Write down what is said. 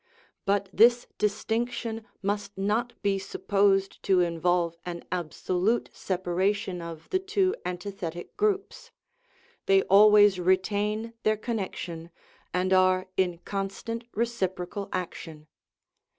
But this distinction must not be supposed to involve an absolute separation of the two antithetic groups; they always retain their connection, and are 229 THE RIDDLE OF THE UNIVERSE in constant reciprocal action.